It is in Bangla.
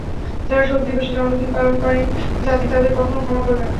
যারা শোক দিবসে জন্মদিন পালন করে, জাতি তাদের কখনো ক্ষমা করবে না।